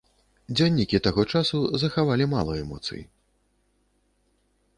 Дзённікі таго часу захавалі мала эмоцый.